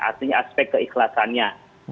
artinya aspek keikhlasannya